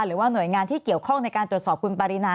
หรือว่าหน่วยงานที่เกี่ยวข้องในการตรวจสอบคุณปรินา